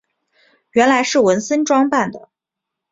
原来是文森装扮的。